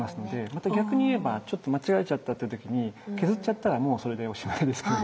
また逆に言えばちょっと間違えちゃったっていう時に削っちゃったらもうそれでおしまいですけど。